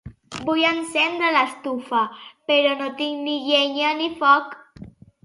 Vull encendre l'estufa, però no tinc ni llenya ni foc.